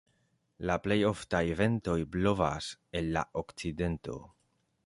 La plej oftaj ventoj blovas el la okcidento.